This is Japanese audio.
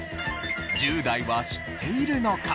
１０代は知っているのか？